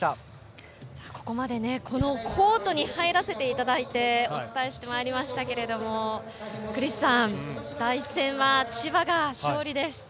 ここまでコートに入らせていただいてお伝えしてきましたけどクリスさん、第１戦は千葉が勝利です。